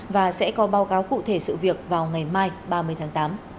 và sẽ có báo cáo cụ thể sự việc vào ngày mai ba mươi tháng tám